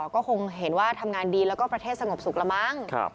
ก็คงเห็นว่าทำงานดีแล้วก็ประเทศสงบสุขละมั้ง